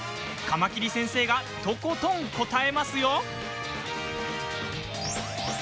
カマキリ先生がとことん答えますよ。